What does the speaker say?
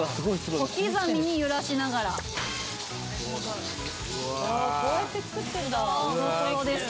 小刻みに揺らしながら・こうやって作ってんだトロトロです